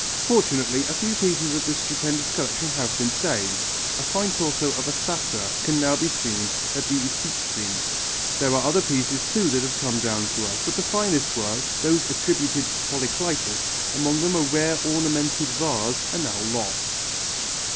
Fortunately a few pieces of this stupendous collection have been saved: a fine torso of a Satyr can now be seen in the Uffizi. There are other pieces too that have come down to us, but the finest works, those attributed to Polycletus, among them a rare ornamented vase, are now lost.